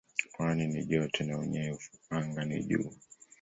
Pwani ni joto na unyevu anga ni juu.